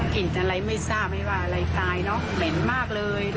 กลิ่นอะไรไม่ทราบไม่ว่าอะไรตายเนอะเหม็นมากเลย